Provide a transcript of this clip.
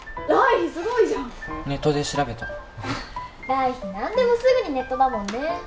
来緋何でもすぐにネットだもんね。